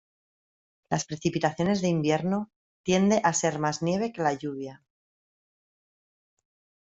Las precipitaciones de invierno tiende a ser más nieve que la lluvia.